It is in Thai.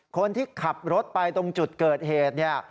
คนที่ขับรถไปตรงจุดเกิดเหตุเนี่ย